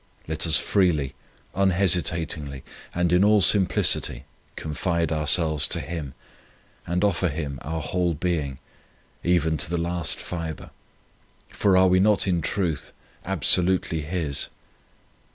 Let us freely, unhesitatingly, and in all simplicity, confide ourselves to Him, and offer Him our whole being, even to the last fibre, for are we not in truth absolutely His